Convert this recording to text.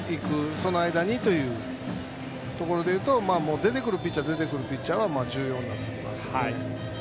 その間に、というところでいうと出てくるピッチャー出てくるピッチャーが重要になってきます。